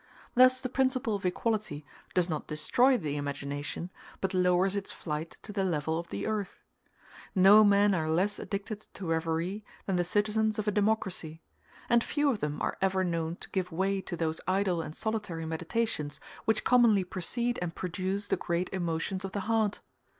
Thus the principle of equality does not destroy the imagination, but lowers its flight to the level of the earth. No men are less addicted to reverie than the citizens of a democracy; and few of them are ever known to give way to those idle and solitary meditations which commonly precede and produce the great emotions of the heart.